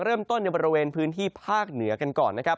เริ่มต้นในบริเวณพื้นที่ภาคเหนือกันก่อนนะครับ